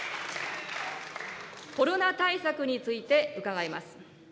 コロナ対策について伺います。